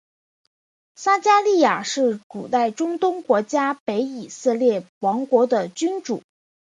撒迦利雅是古代中东国家北以色列王国的君主。